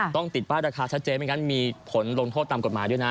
ติดป้ายราคาชัดเจนไม่งั้นมีผลลงโทษตามกฎหมายด้วยนะ